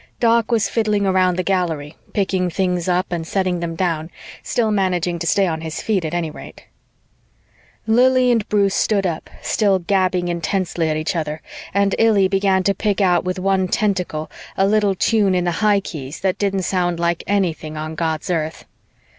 Doc was fiddling around the Gallery, picking things up and setting them down, still managing to stay on his feet at any rate. Lili and Bruce stood up, still gabbing intensely at each other, and Illy began to pick out with one tentacle a little tune in the high keys that didn't sound like anything on God's earth.